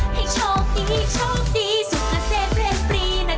ให้โชคดีโชคดีสุขเส้นเพลงปรีนะ